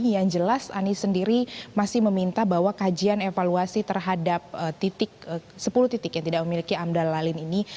yang jelas anies sendiri masih meminta bahwa kajian evaluasi terhadap sepuluh titik yang tidak memiliki amdal lalin ini